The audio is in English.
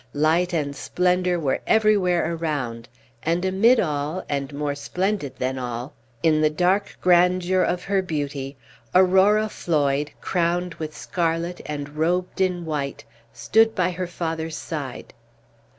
Light and splendor were everywhere around; and amid all, and more splendid than all, in the dark grandeur of her beauty, Aurora Floyd, crowned with scarlet and robed in white, stood by her father's side.